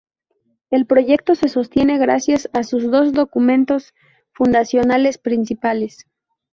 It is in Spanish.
el proyecto se sostiene gracias a sus dos documentos fundacionales principales